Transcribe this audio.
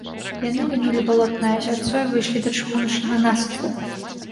Яны мінулі балотнае азярцо і выйшлі да чыгуначнага насыпу.